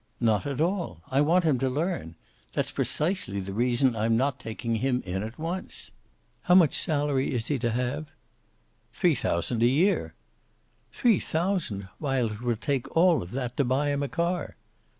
"Not at all. I want him to learn. That's precisely the reason why I'm not taking him in at once." "How much salary is he to have?" "Three thousand a year." "Three thousand! Why, it will take all of that to buy him a car."